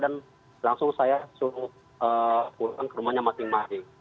dan langsung saya suruh pulang ke rumahnya masing masing